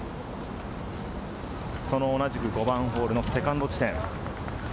同じく５番ホールのセカンド地点。